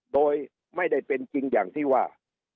โดยไม่ได้เป็นจริงอย่างที่ว่า